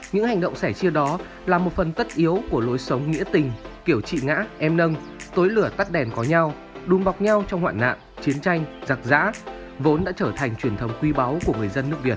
những hành động sẻ chia đó là một phần tất yếu của lối sống nghĩa tình kiểu trị ngã em nâng tối lửa tắt đèn có nhau đun bọc nhau trong hoạn nạn chiến tranh giặc giã vốn đã trở thành truyền thống quý báu của người dân nước việt